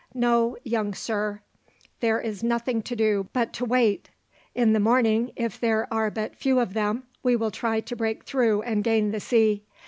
No, young sir, there is nothing to do but to wait. In the morning, if there are but few of them, we will try to break through and gain the sea.